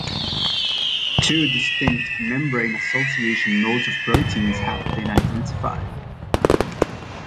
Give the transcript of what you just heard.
Two distinct membrane-association modes of proteins have been identified.